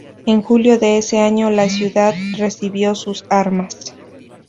En julio de ese año, la ciudad recibió sus armas.